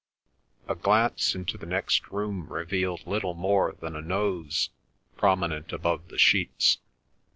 A glance into the next room revealed little more than a nose, prominent above the sheets.